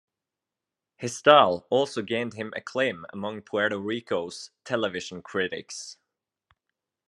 His style also gained him acclaim among Puerto Rico's television critics.